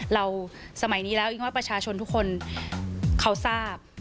สมัยนี้แล้วอิงว่าประชาชนทุกคนเขาทราบ